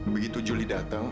begitu juli datang